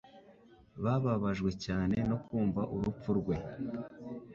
Bababajwe cyane no kumva urupfu rwe.